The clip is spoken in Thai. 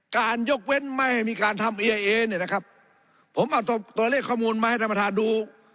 การยกเว้นไม่ให้มีการทำเอเนี่ยนะครับผมเอาตัวเลขข้อมูลมาให้ท่านประธานดู